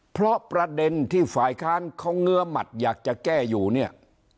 เพราะประเด็นที่ฝ่ายค้านเขาเงื้อหมัดอยากจะแก้อยู่เนี่ย